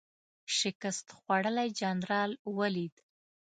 شکست خوړلی جنرال ولید.